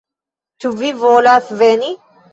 Ĉu vi volas veni?